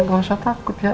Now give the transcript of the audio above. nggak usah takut ya